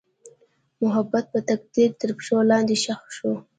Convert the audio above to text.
محبت مې د تقدیر تر پښو لاندې ښخ شو.